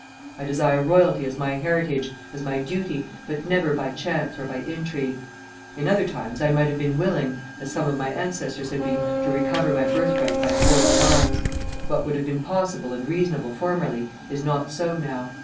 I desire royalty as my heritage, as my duty, but never by chance or by intrigue. In other times I might have been willing (as some of my ancestors have been) to recover my birthright by force of arms. What would have been possible and reasonable formerly, is not so now.